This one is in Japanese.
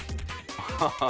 アハハハ。